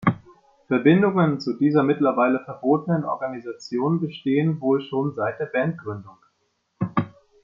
Verbindungen zu dieser mittlerweile verbotenen Organisation bestehen wohl schon seit der Bandgründung.